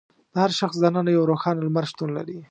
د هر شخص دننه یو روښانه لمر شتون لري.